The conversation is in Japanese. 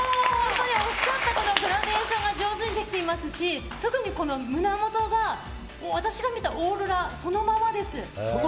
おっしゃったグラデーションが上手にできていますし特に胸元が私が見たオーロラそのままです。